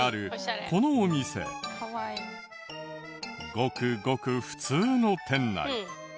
ごくごく普通の店内。